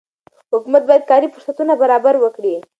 حکومت باید کاري فرصتونه برابر وکړي.